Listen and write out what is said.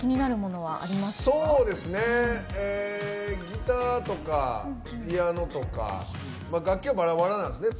ギターとかピアノとか楽器はバラバラなんですね